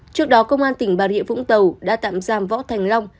trước đó công an tỉnh bà rịa vũng tàu đã tạm giam võ thành long